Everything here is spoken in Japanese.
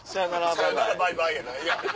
「さよならバイバイ」やないやん。